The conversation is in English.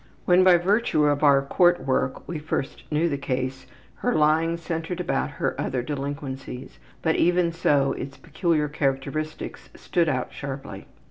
When by virtue of our court work we first knew the case, her lying centered about her other delinquencies, but even so its peculiar characteristics stood out sharply.